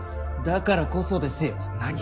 だからこそですよ。何？